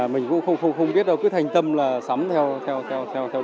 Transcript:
mình cũng không biết đâu cứ thành tâm là sắm theo